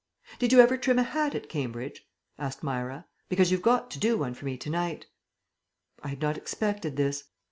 "Did you ever trim a hat at Cambridge?" asked Myra. "Because you've got to do one for me to night." I had not expected this.